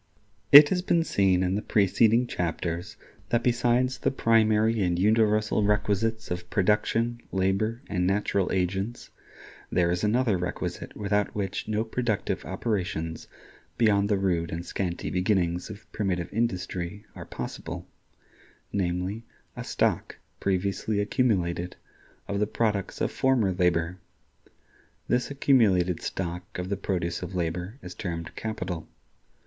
It has been seen in the preceding chapters that besides the primary and universal requisites of production, labor and natural agents, there is another requisite without which no productive operations beyond the rude and scanty beginnings of primitive industry are possible—namely, a stock, previously accumulated, of the products of former labor. This accumulated stock of the produce of labor is termed Capital.